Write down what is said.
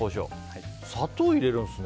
砂糖入れるんですね。